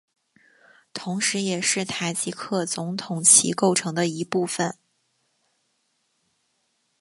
同时也是塔吉克总统旗构成的一部分